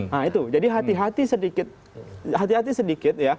nah itu jadi hati hati sedikit